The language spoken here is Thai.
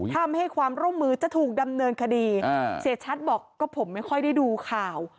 ทำให้ความร่วมมือจะถูกดำเนินคดีเสียชัดบอกก็ผมไม่ค่อยได้ดูข่าว